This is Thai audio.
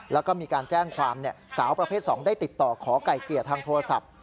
แล้วก็มีการแจ้งความสาวประเภท๒ได้ติดต่อขอไก่เกลี่ยทางโทรศัพท์